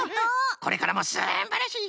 これからもすんばらしい